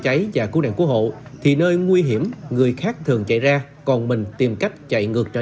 cháy và cú đèn cứu hộ thì nơi nguy hiểm người khác thường chạy ra còn mình tìm cách chạy ngược trở